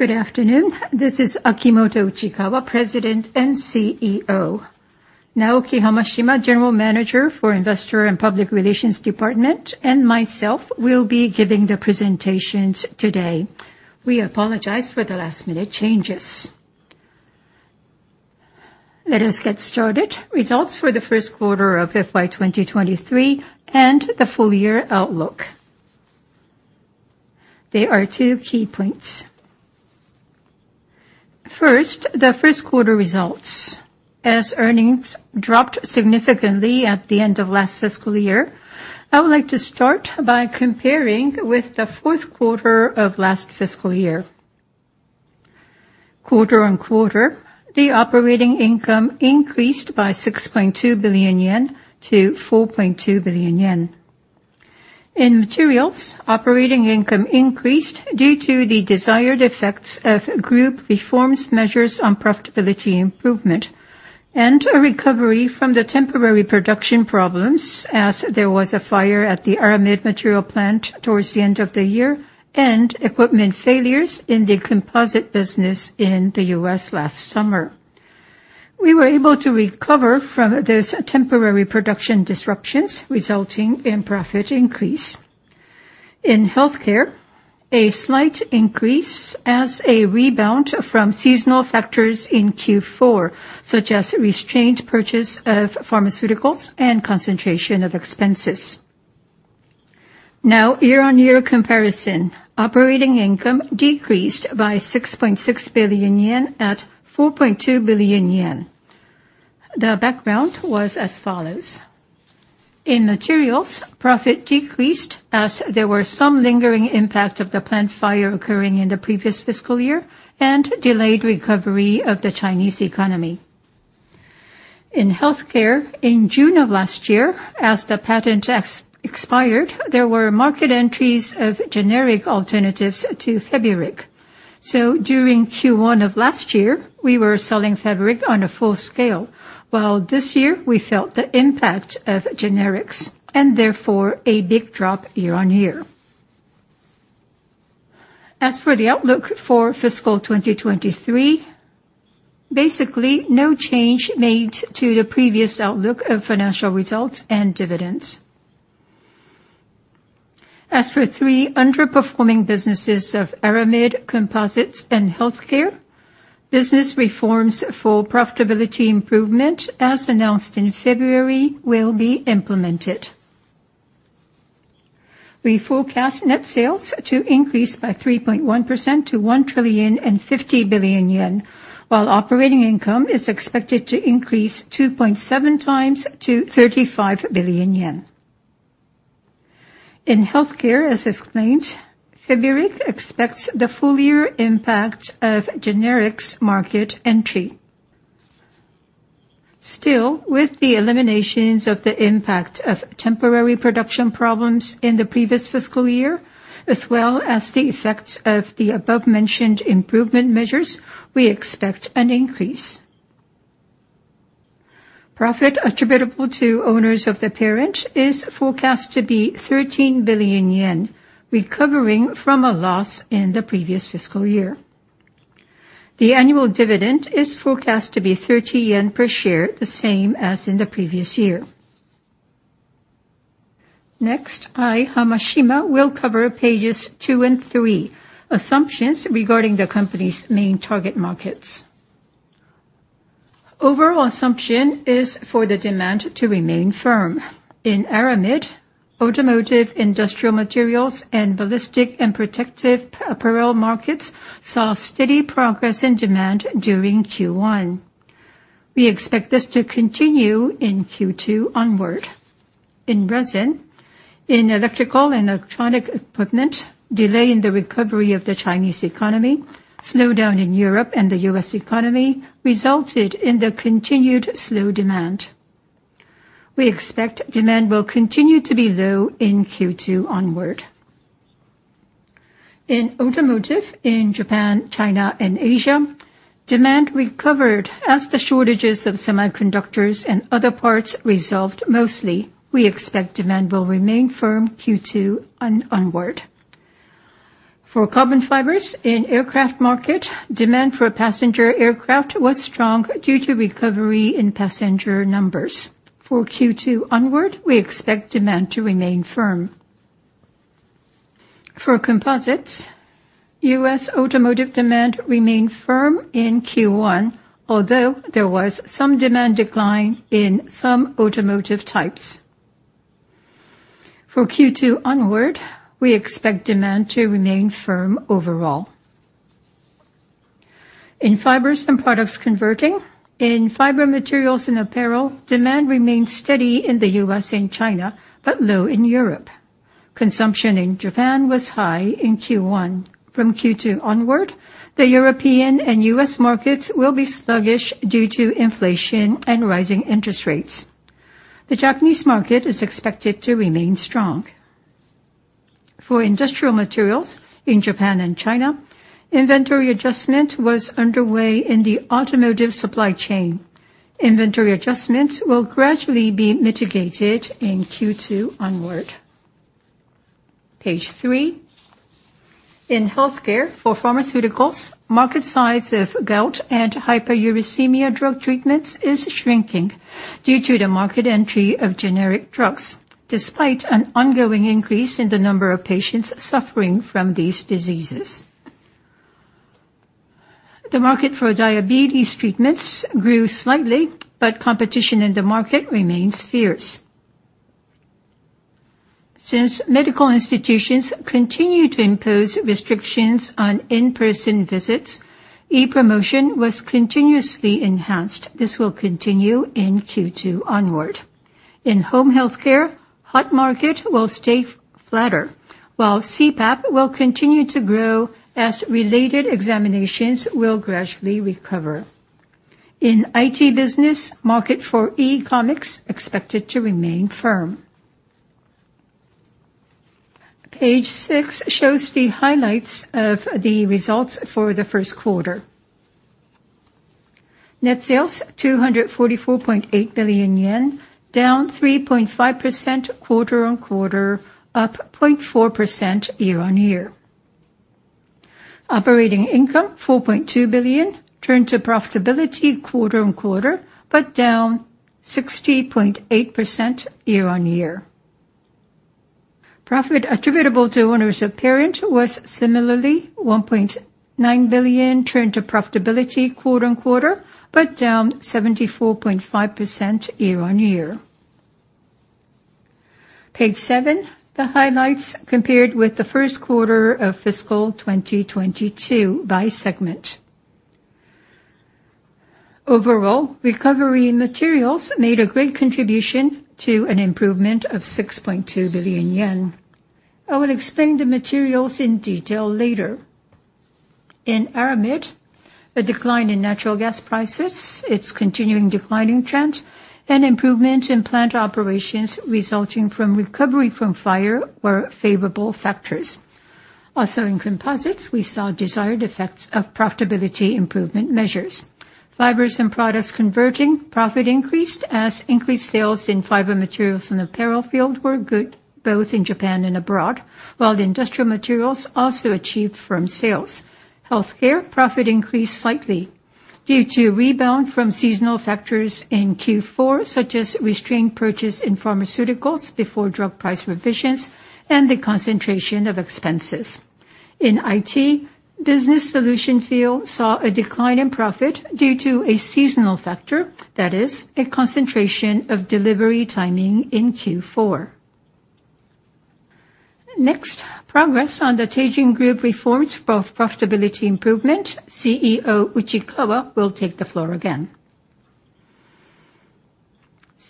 Good afternoon. This is Akimoto Uchikawa, President and CEO. Naoki Hamashima, General Manager, Investor and Public Relations Department, and myself will be giving the presentations today. We apologize for the last-minute changes. Let us get started. Results for the first quarter of FY 2023 and the full year outlook. There are two key points. First, the first quarter results. As earnings dropped significantly at the end of last fiscal year, I would like to start by comparing with the fourth quarter of last fiscal year. Quarter-on-quarter, the operating income increased by 6.2 billion yen to 4.2 billion yen. In materials, operating income increased due to the desired effects of group reforms measures on profitability improvement and a recovery from the temporary production problems, as there was a fire at the aramid material plant towards the end of the year, and equipment failures in the composite business in the U.S. last summer. We were able to recover from those temporary production disruptions, resulting in profit increase. In healthcare, a slight increase as a rebound from seasonal factors in Q4, such as restrained purchase of pharmaceuticals and concentration of expenses. Now, year-on-year comparison. Operating income decreased by 6.6 billion yen at 4.2 billion yen. The background was as follows: in materials, profit decreased as there were some lingering impact of the plant fire occurring in the previous fiscal year and delayed recovery of the Chinese economy. In healthcare, in June of last year, as the patent expired, there were market entries of generic alternatives to Feburic. During Q1 of last year, we were selling Feburic on a full scale, while this year we felt the impact of generics, and therefore, a big drop year-on-year. As for the outlook for FY 2023, basically, no change made to the previous outlook of financial results and dividends. As for three underperforming businesses of aramid, Composites, and healthcare, business reforms for profitability improvement, as announced in February, will be implemented. We forecast net sales to increase by 3.1% to 1,050 billion yen, while operating income is expected to increase 2.7x to JPY 35 billion. In healthcare, as explained, Feburic expects the full year impact of generics market entry. Still, with the eliminations of the impact of temporary production problems in the previous fiscal year, as well as the effects of the above-mentioned improvement measures, we expect an increase. Profit attributable to owners of the parent is forecast to be 13 billion yen, recovering from a loss in the previous fiscal year. The annual dividend is forecast to be 30 yen per share, the same as in the previous year. Next, I, Hamashima, will cover pages two and three, assumptions regarding the company's main target markets. Overall assumption is for the demand to remain firm. In aramid, automotive, industrial materials, and ballistic and protective apparel markets saw steady progress in demand during Q1. We expect this to continue in Q2 onward. In Resin, in electrical and electronic equipment, delay in the recovery of the Chinese economy, slowdown in Europe and the U.S. economy resulted in the continued slow demand. We expect demand will continue to be low in Q2 onward. In automotive, in Japan, China and Asia, demand recovered as the shortages of semiconductors and other parts resolved mostly. We expect demand will remain firm Q2 onward. For carbon fibers in aircraft market, demand for passenger aircraft was strong due to recovery in passenger numbers. For Q2 onward, we expect demand to remain firm. For Composites, U.S. automotive demand remained firm in Q1, although there was some demand decline in some automotive types. For Q2 onward, we expect demand to remain firm overall. In Fibers & Products Converting, in fiber materials and apparel, demand remained steady in the U.S. and China, but low in Europe. Consumption in Japan was high in Q1. Q2 onward, the European and U.S. markets will be sluggish due to inflation and rising interest rates. The Japanese market is expected to remain strong. For industrial materials in Japan and China, inventory adjustment was underway in the automotive supply chain. Inventory adjustments will gradually be mitigated in Q2 onward. Page 3. In healthcare for pharmaceuticals, market size of gout and hyperuricemia drug treatments is shrinking due to the market entry of generic drugs, despite an ongoing increase in the number of patients suffering from these diseases. The market for diabetes treatments grew slightly, but competition in the market remains fierce. Since medical institutions continue to impose restrictions on in-person visits, e-promotion was continuously enhanced. This will continue in Q2 onward. In home healthcare, HOT market will stay flatter, while CPAP will continue to grow as related examinations will gradually recover. In IT business, market for e-comics expected to remain firm. Page 6 shows the highlights of the results for the first quarter. Net sales, 244.8 billion yen, down 3.5% quarter-on-quarter, up 0.4% year-on-year. Operating income, 4.2 billion, turned to profitability quarter-on-quarter, but down 60.8% year-on-year. Profit attributable to owners of parent was similarly 1.9 billion, turned to profitability quarter-on-quarter, but down 74.5% year-on-year. Page 7, the highlights compared with the first quarter of FY 2022 by segment. Overall, recovery in materials made a great contribution to an improvement of 6.2 billion yen. I will explain the materials in detail later. In aramid, a decline in natural gas prices, its continuing declining trend, and improvement in plant operations resulting from recovery from fire were favorable factors. Also, in Composites, we saw desired effects of profitability improvement measures. Fibers & Products Converting, profit increased as increased sales in fiber materials and apparel field were good, both in Japan and abroad, while the industrial materials also achieved firm sales. Healthcare profit increased slightly due to rebound from seasonal factors in Q4, such as restrained purchase in pharmaceuticals before drug price revisions and the concentration of expenses. In IT, Business Solutions field saw a decline in profit due to a seasonal factor, that is, a concentration of delivery timing in Q4. Next, progress on the Teijin group reforms for profitability improvement. CEO Uchikawa will take the floor again.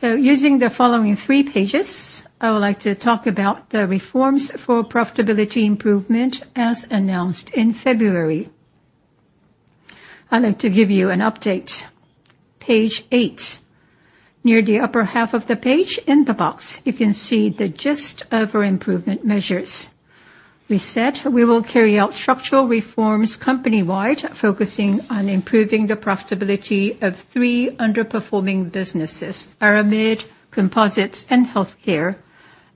Using the following three pages, I would like to talk about the reforms for profitability improvement, as announced in February. I'd like to give you an update. Page 8. Near the upper half of the page, in the box, you can see the gist of our improvement measures. We said we will carry out structural reforms company-wide, focusing on improving the profitability of three underperforming businesses, Aramid, Composites, and Healthcare,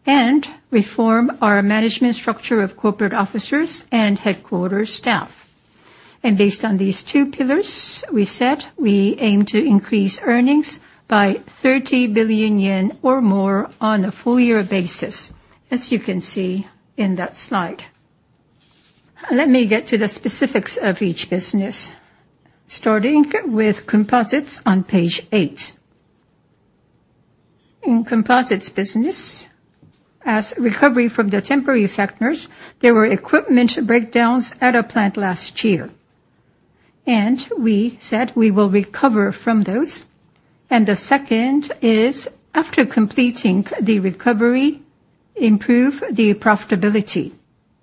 and reform our management structure of corporate officers and headquarters staff. Based on these two pillars, we said we aim to increase earnings by 30 billion yen or more on a full year basis, as you can see in that slide. Let me get to the specifics of each business, starting with Composites on page 8. In Composites business, as recovery from the temporary factors, there were equipment breakdowns at a plant last year, and we said we will recover from those. The second is, after completing the recovery, improve the profitability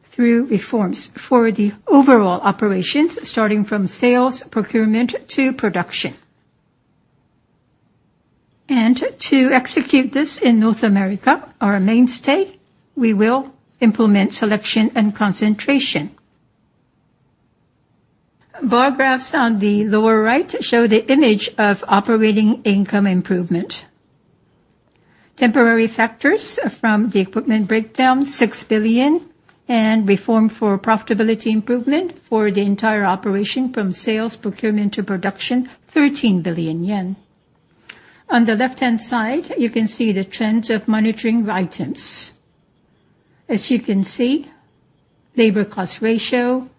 through reforms for the overall operations, starting from sales, procurement to production. To execute this in North America, our mainstay, we will implement selection and concentration. Bar graphs on the lower right show the image of operating income improvement. Temporary factors from the equipment breakdown, 6 billion, and reform for profitability improvement for the entire operation from sales, procurement to production, 13 billion yen. On the left-hand side, you can see the trends of monitoring items. As you can see, labor cost ratio,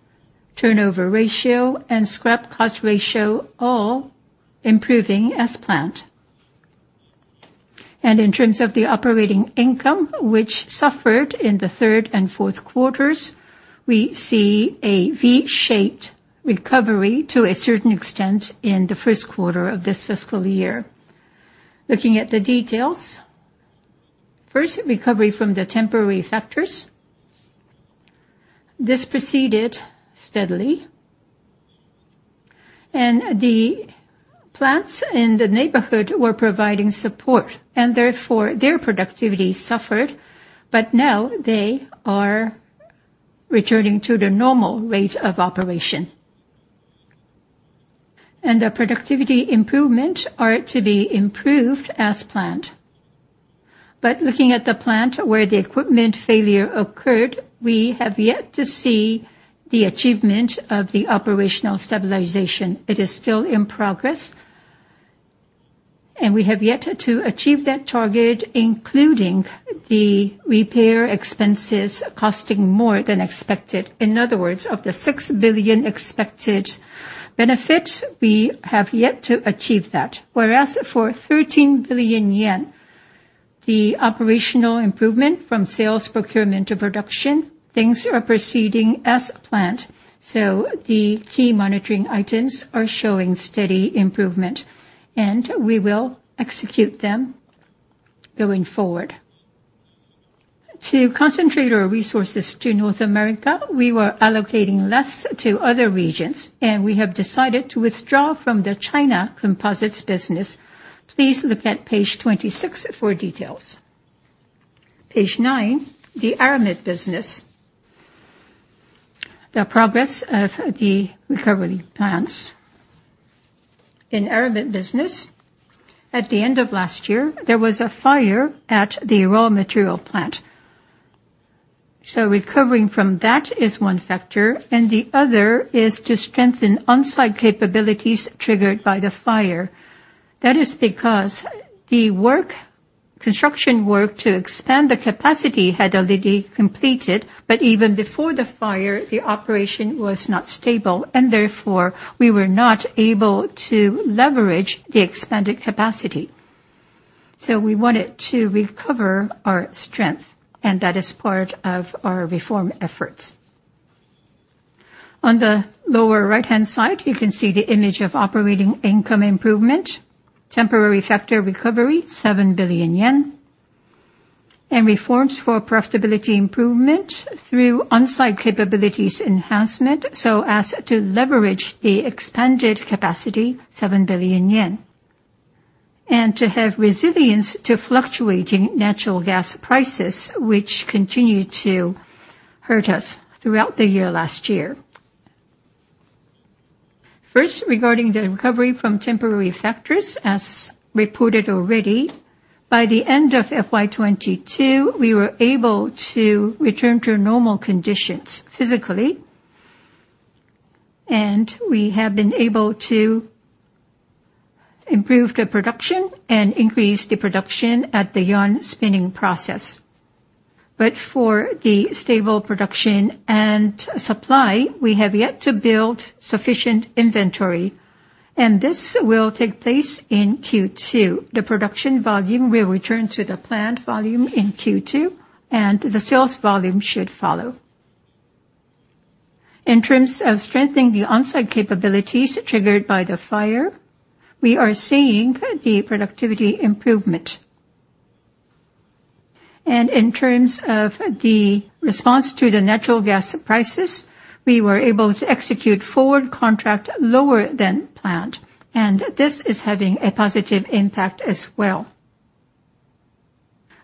turnover ratio, and scrap cost ratio all improving as planned. In terms of the operating income, which suffered in the third and fourth quarters, we see a V-shaped recovery to a certain extent in the first quarter of this fiscal year. Looking at the details, first, recovery from the temporary factors. This proceeded steadily. The plants in the neighborhood were providing support. Therefore, their productivity suffered. Now they are returning to the normal rate of operation. The productivity improvement are to be improved as planned. Looking at the plant where the equipment failure occurred, we have yet to see the achievement of the operational stabilization. It is still in progress, and we have yet to achieve that target, including the repair expenses costing more than expected. In other words, of the 6 billion expected benefit, we have yet to achieve that. Whereas for 13 billion yen, the operational improvement from sales procurement to production, things are proceeding as planned, so the key monitoring items are showing steady improvement, and we will execute them going forward. To concentrate our resources to North America, we were allocating less to other regions, and we have decided to withdraw from the China composites business. Please look at page 26 for details. Page 9, the Aramid business. The progress of the recovery plans. In aramid business, at the end of last year, there was a fire at the raw material plant. Recovering from that is one factor, and the other is to strengthen on-site capabilities triggered by the fire. That is because the work, construction work to expand the capacity had already completed, but even before the fire, the operation was not stable, and therefore, we were not able to leverage the expanded capacity. We wanted to recover our strength, and that is part of our reform efforts. On the lower right-hand side, you can see the image of operating income improvement, temporary factor recovery, 7 billion yen, and reforms for profitability improvement through on-site capabilities enhancement, so as to leverage the expanded capacity, 7 billion yen. To have resilience to fluctuating natural gas prices, which continued to hurt us throughout the year, last year. First, regarding the recovery from temporary factors, as reported already, by the end of FY 2022, we were able to return to normal conditions physically. We have been able to improve the production and increase the production at the yarn spinning process. For the stable production and supply, we have yet to build sufficient inventory, and this will take place in Q2. The production volume will return to the planned volume in Q2, and the sales volume should follow. In terms of strengthening the on-site capabilities triggered by the fire, we are seeing the productivity improvement. In terms of the response to the natural gas prices, we were able to execute forward contract lower than planned, and this is having a positive impact as well.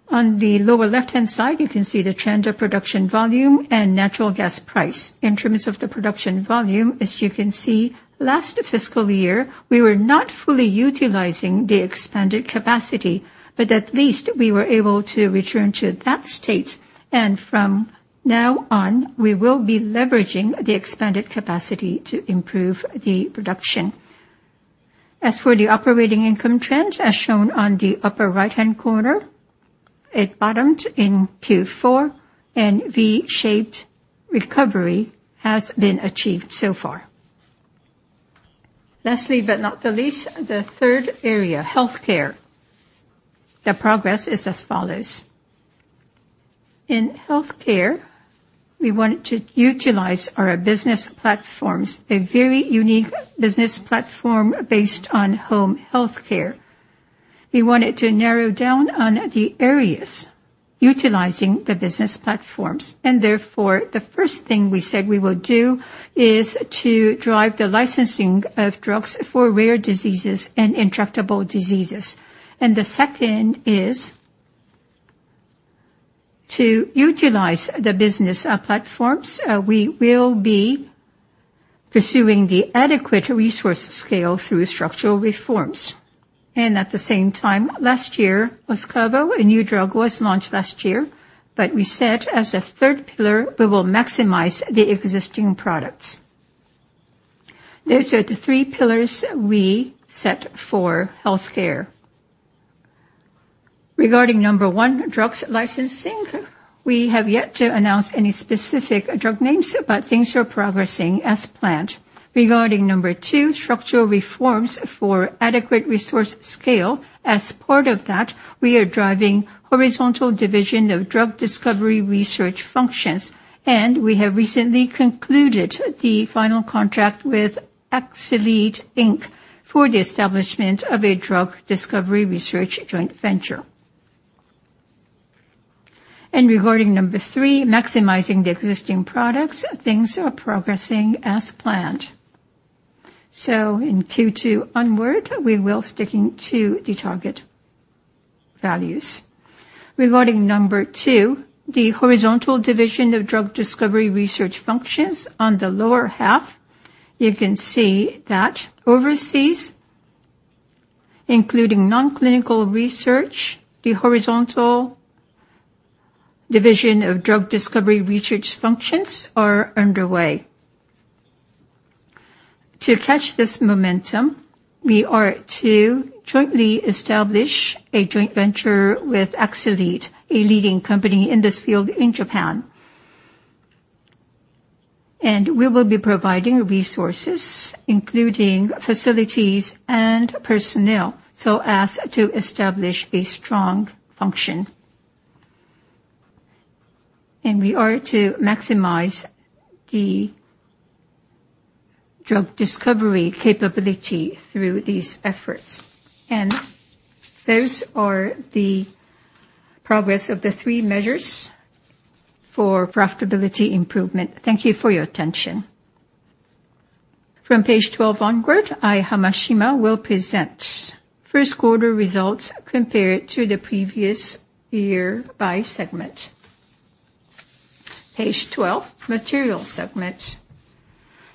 On the lower left-hand side, you can see the trend of production volume and natural gas price. In terms of the production volume, as you can see, last fiscal year, we were not fully utilizing the expanded capacity, but at least we were able to return to that state. From now on, we will be leveraging the expanded capacity to improve the production. As for the operating income trend, as shown on the upper right-hand corner, it bottomed in Q4, and V-shaped recovery has been achieved so far. Lastly, but not the least, the third area, healthcare. The progress is as follows: in healthcare, we wanted to utilize our business platforms, a very unique business platform based on home healthcare. We wanted to narrow down on the areas utilizing the business platforms, and therefore, the first thing we said we will do is to drive the licensing of drugs for rare diseases and intractable diseases. The second is to utilize the business platforms. We will be pursuing the adequate resource scale through structural reforms. At the same time, last year, Ostabalo, a new drug, was launched last year, but we said as a third pillar, we will maximize the existing products. Those are the three pillars we set for healthcare. Regarding number one, drugs licensing, we have yet to announce any specific drug names, but things are progressing as planned. Regarding number two, structural reforms for adequate resource scale, as part of that, we are driving horizontal division of drug discovery research functions. We have recently concluded the final contract with Axcelead. for the establishment of a drug discovery research joint venture. Regarding number three, maximizing the existing products, things are progressing as planned. In Q2 onward, we will sticking to the target values. Regarding number two, the horizontal division of drug discovery research functions on the lower half, you can see that overseas, including non-clinical research, the horizontal division of drug discovery research functions are underway. To catch this momentum, we are to jointly establish a joint venture with Axcelead, a leading company in this field in Japan. We will be providing resources, including facilities and personnel, so as to establish a strong function. We are to maximize the drug discovery capability through these efforts. Those are the progress of the three measures for profitability improvement. Thank you for your attention. From page 12 onward, I, Hamashima, will present first quarter results compared to the previous year by segment. Page 12, Material segment.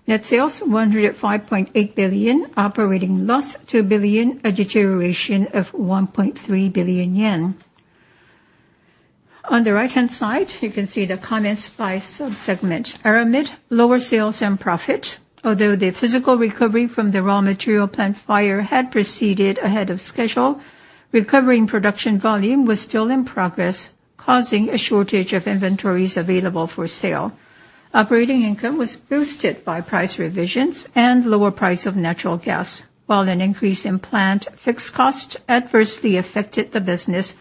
Net sales, 105.8 billion. Operating loss, 2 billion, a deterioration of 1.3 billion yen. On the right-hand side, you can see the comments by sub-segment. Aramid: lower sales and profit. Although the physical recovery from the raw material plant fire had proceeded ahead of schedule, recovering production volume was still in progress, causing a shortage of inventories available for sale. Operating income was boosted by price revisions and lower price of natural gas, while an increase in plant fixed cost adversely affected the business,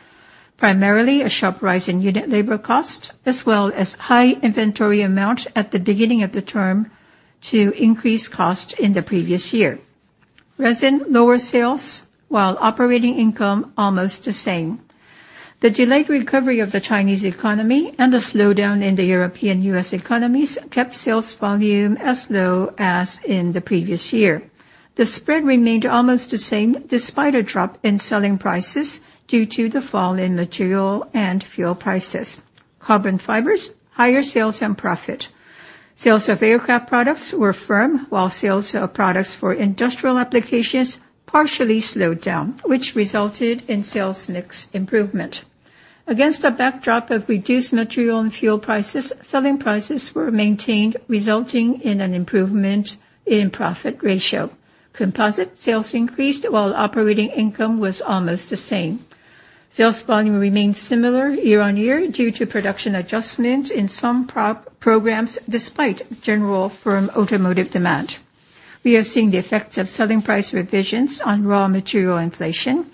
primarily a sharp rise in unit labor cost, as well as high inventory amount at the beginning of the term to increase cost in the previous year. Resin: lower sales, while operating income almost the same. The delayed recovery of the Chinese economy and a slowdown in the European U.S. economies kept sales volume as low as in the previous year. The spread remained almost the same, despite a drop in selling prices due to the fall in material and fuel prices. Carbon fibers: higher sales and profit. Sales of aircraft products were firm, while sales of products for industrial applications partially slowed down, which resulted in sales mix improvement. Against a backdrop of reduced material and fuel prices, selling prices were maintained, resulting in an improvement in profit ratio. Composites: sales increased, while operating income was almost the same. Sales volume remained similar year-on-year due to production adjustment in some programs, despite general firm automotive demand. We are seeing the effects of selling price revisions on raw material inflation.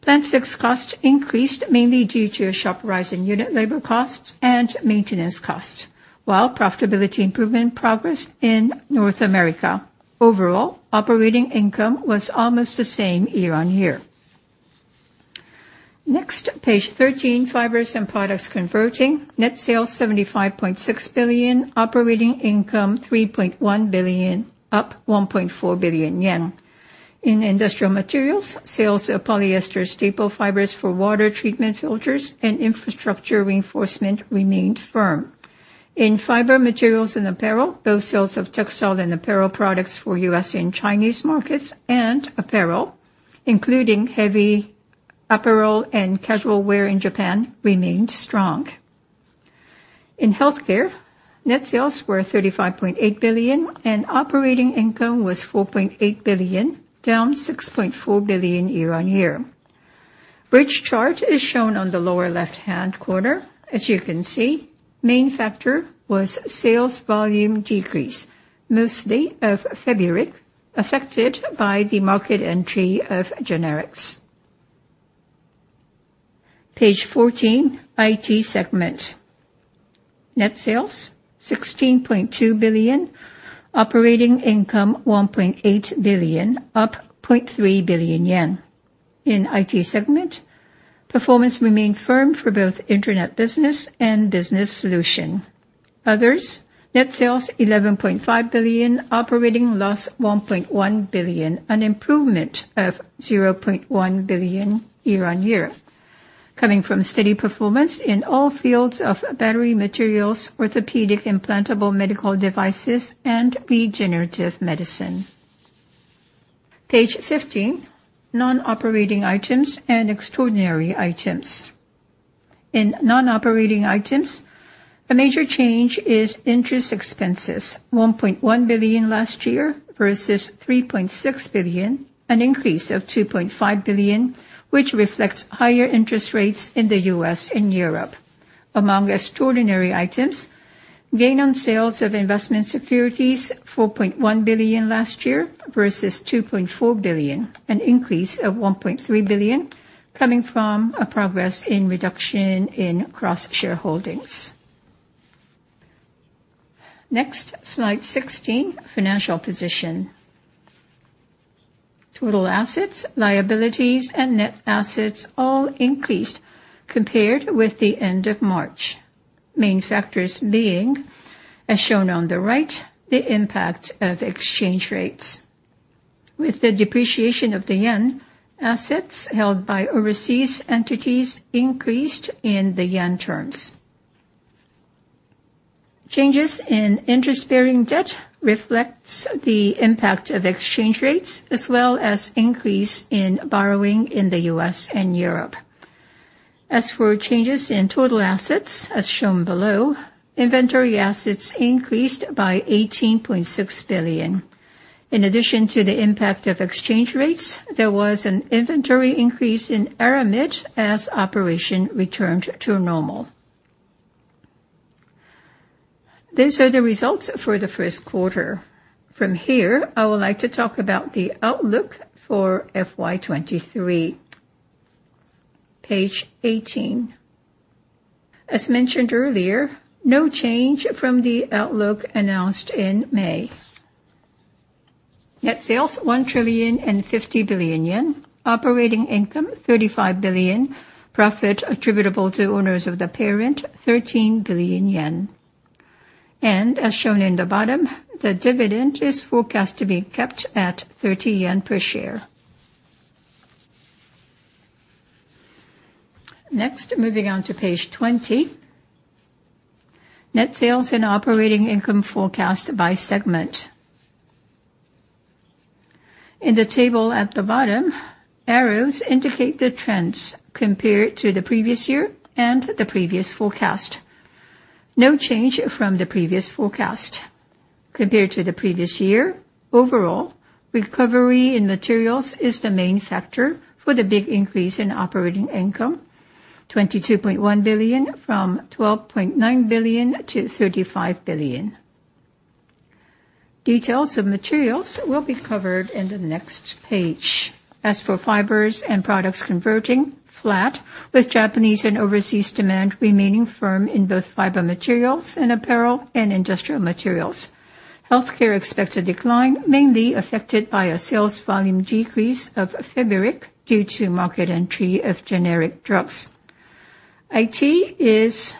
Plant fixed cost increased, mainly due to a sharp rise in unit labor costs and maintenance costs, while profitability improvement progressed in North America. Overall, operating income was almost the same year-on-year. Next, page 13, Fibers and Products Converting. Net sales, 75.6 billion. Operating income, 3.1 billion, up 1.4 billion yen. In industrial materials, sales of polyester staple fibers for water treatment filters and infrastructure reinforcement remained firm. In fiber materials and apparel, both sales of textile and apparel products for U.S. and Chinese markets, and apparel, including heavy apparel and casual wear in Japan, remained strong. In Healthcare, net sales were 35.8 billion, and operating income was 4.8 billion, down 6.4 billion year-on-year. Bridge chart is shown on the lower left-hand corner. As you can see, main factor was sales volume decrease, mostly of Feburic, affected by the market entry of generics. Page 14, IT segment. Net sales, JPY 16.2 billion. Operating income, JPY 1.8 billion, up 0.3 billion yen. In IT segment, performance remained firm for both Internet business and Business Solutions. Others, net sales 11.5 billion, operating loss 1.1 billion, an improvement of 0.1 billion year-on-year, coming from steady performance in all fields of battery materials, orthopedic implantable medical devices, and regenerative medicine. Page 15, non-operating items and extraordinary items. In non-operating items, a major change is interest expenses, 1.1 billion last year versus 3.6 billion, an increase of 2.5 billion, which reflects higher interest rates in the U.S. and Europe. Among extraordinary items, gain on sales of investment securities, 4.1 billion last year versus 2.4 billion, an increase of 1.3 billion, coming from a progress in reduction in cross-shareholdings. Slide 16, financial position. Total assets, liabilities, and net assets all increased compared with the end of March. Main factors being, as shown on the right, the impact of exchange rates. With the depreciation of the yen, assets held by overseas entities increased in the yen terms. Changes in interest-bearing debt reflects the impact of exchange rates, as well as increase in borrowing in the U.S. and Europe. As for changes in total assets, as shown below, inventory assets increased by 18.6 billion. In addition to the impact of exchange rates, there was an inventory increase in Aramid as operation returned to normal. These are the results for the first quarter. From here, I would like to talk about the outlook for FY 2023. Page 18. As mentioned earlier, no change from the outlook announced in May. Net sales, 1,050 billion yen. Operating income, 35 billion. Profit attributable to owners of the parent, 13 billion yen. As shown in the bottom, the dividend is forecast to be kept at 30 yen per share. Moving on to page 20. Net sales and operating income forecast by segment. In the table at the bottom, arrows indicate the trends compared to the previous year and the previous forecast. No change from the previous forecast. Compared to the previous year, overall, recovery in Materials is the main factor for the big increase in operating income, 22.1 billion, from 12.9 billion to 35 billion. Details of Materials will be covered in the next page. For Fibers & Products Converting, flat, with Japanese and overseas demand remaining firm in both fiber materials and apparel and industrial materials. Healthcare expects a decline, mainly affected by a sales volume decrease of Feburic, due to market entry of generic drugs. IT is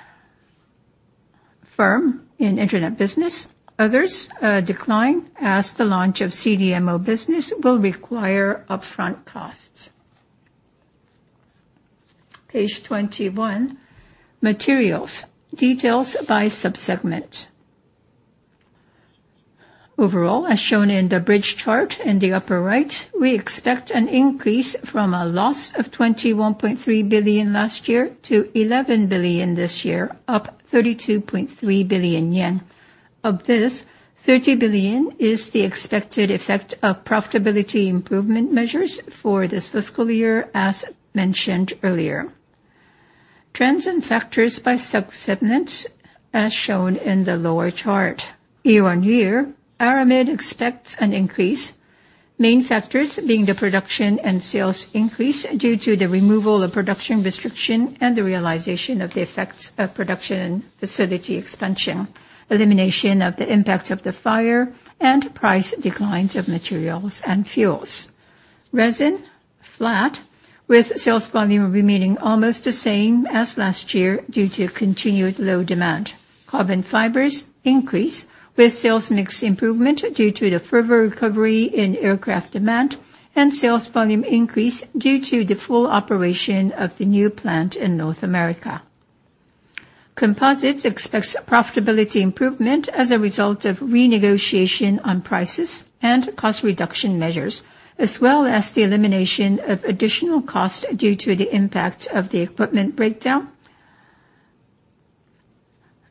firm in Internet business. Others decline, as the launch of CDMO business will require upfront costs. Page 21, materials, details by sub-segment. Overall, as shown in the bridge chart in the upper right, we expect an increase from a loss of 21.3 billion last year to 11 billion this year, up 32.3 billion yen. Of this, 30 billion is the expected effect of profitability improvement measures for this fiscal year, as mentioned earlier. Trends and factors by sub-segments, as shown in the lower chart. Year-on-year, aramid expects an increase, main factors being the production and sales increase due to the removal of production restriction and the realization of the effects of production facility expansion, elimination of the impacts of the fire, and price declines of materials and fuels. Resin, flat, with sales volume remaining almost the same as last year due to continued low demand. Carbon fibers increase, with sales mix improvement due to the further recovery in aircraft demand, and sales volume increase due to the full operation of the new plant in North America. Composites expects profitability improvement as a result of renegotiation on prices and cost reduction measures, as well as the elimination of additional cost due to the impact of the equipment breakdown,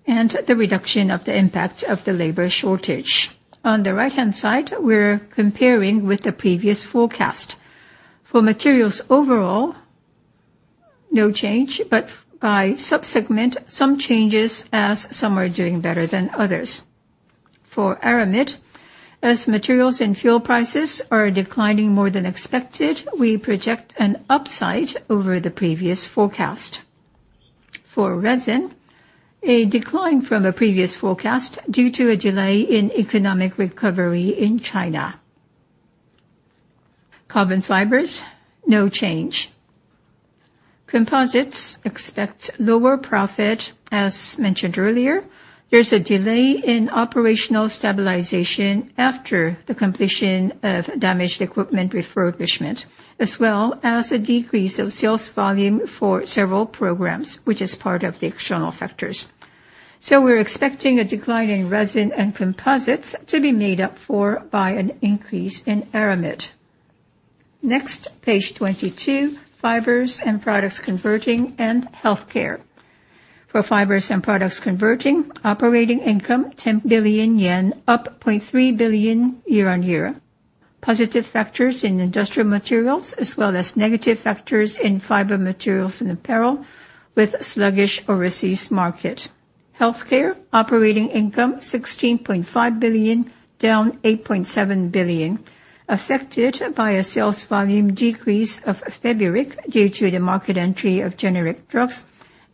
and the reduction of the impact of the labor shortage. On the right-hand side, we're comparing with the previous forecast. For materials overall, no change, but by sub-segment, some changes as some are doing better than others. For Aramid, as materials and fuel prices are declining more than expected, we project an upside over the previous forecast. For Resin, a decline from a previous forecast due to a delay in economic recovery in China. Carbon fibers, no change. Composites expects lower profit. As mentioned earlier, there's a delay in operational stabilization after the completion of damaged equipment refurbishment, as well as a decrease of sales volume for several programs, which is part of the external factors. We're expecting a decline in Resin and Composites to be made up for by an increase in aramid. Next, page 22, Fibers & Products Converting and healthcare. For Fibers & Products Converting, operating income, 10 billion yen, up 0.3 billion year-on-year. Positive factors in industrial materials, as well as negative factors in fiber materials and apparel, with sluggish overseas market. Healthcare, operating income 16.5 billion, down 8.7 billion, affected by a sales volume decrease of Feburic due to the market entry of generic drugs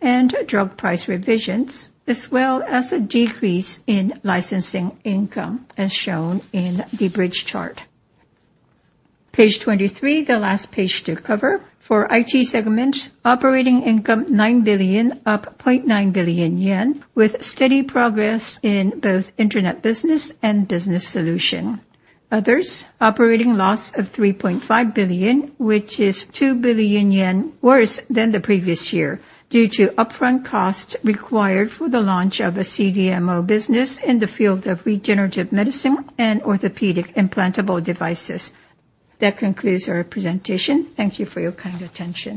and drug price revisions, as well as a decrease in licensing income, as shown in the bridge chart. Page 23, the last page to cover. For IT segment, operating income 9 billion, up 0.9 billion yen, with steady progress in both Internet business and Business solution. Others, operating loss of 3.5 billion, which is 2 billion yen worse than the previous year, due to upfront costs required for the launch of a CDMO business in the field of regenerative medicine and orthopedic implantable devices. That concludes our presentation. Thank you for your kind attention.